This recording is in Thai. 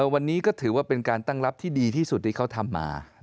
วันนี้ก็ถือว่าเป็นการตั้งรับที่ดีที่สุดที่เขาทำมา